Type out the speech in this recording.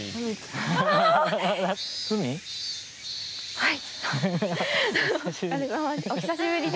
はい。